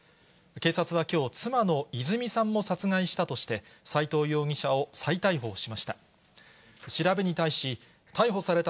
警察はきょう、妻の泉さんも殺害したとして、斎藤容疑者を再逮捕しました。